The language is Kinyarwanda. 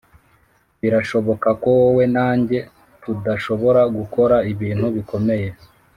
birashoboka ko wowe na njye tudashobora gukora ibintu bikomeye